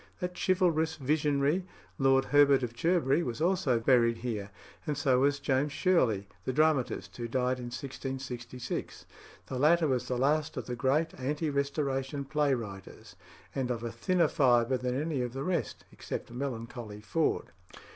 That chivalrous visionary, Lord Herbert of Cherbury, was also buried here, and so was James Shirley, the dramatist, who died in 1666. The latter was the last of the great ante Restoration play writers, and of a thinner fibre than any of the rest, except melancholy Ford.